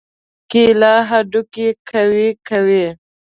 کېله هډوکي قوي کوي.